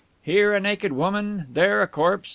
Here, a naked woman; there, a corpse!